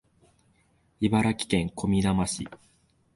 茨城県小美玉市